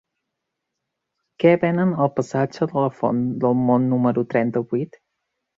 Què venen al passatge de la Font del Mont número trenta-vuit?